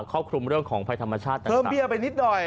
ครอบคลุมเรื่องของภัยธรรมชาติเพิ่มเบี้ยไปนิดหน่อย